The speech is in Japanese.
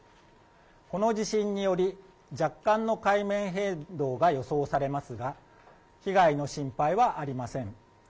この地震により、若干の海面変動が予想されますが、被害の心配はありません。